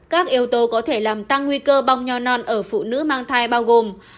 các yếu tố có thể làm tăng nguy cơ bong nho non ở phụ nữ mang thai bao gồm